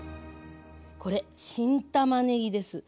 これ新たまねぎです。